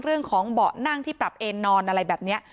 เรื่องของเบาะนั่งที่ปรับเอ็นนอนอะไรแบบนี้